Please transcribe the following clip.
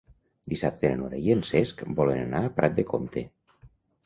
Dissabte na Nora i en Cesc volen anar a Prat de Comte.